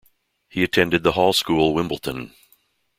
He attended the Hall School Wimbledon.